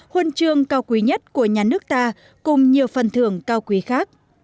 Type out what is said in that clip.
huân chương cao quý nhất của nhà nước ta cùng nhiều phần thưởng cao quý khác